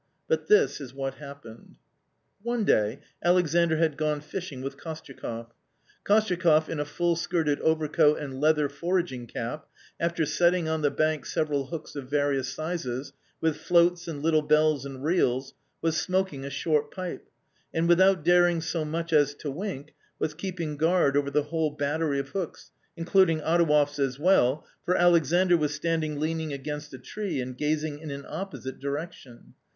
But this is what happened. One day Alexandr had gone fishing with Kostyakoff. Kostyakoff in a full skirted overcoat and leather foraging cap, after setting on the bank several hooks of various sizes, with floats and little bells and reels, was smoking a short pipe, and without daring so much as to wink, was keeping guard over the whole battery of hooks, including Adouev's as well, for Alexandr was standing leaning against a tree and gazing in an opposite direction.